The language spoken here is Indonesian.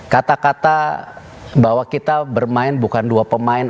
kata kata bahwa kita bermain bukan dua pemain